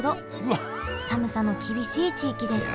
寒さの厳しい地域です